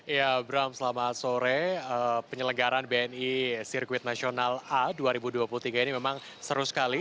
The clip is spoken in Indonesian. ya bram selamat sore penyelenggaran bni sirkuit nasional a dua ribu dua puluh tiga ini memang seru sekali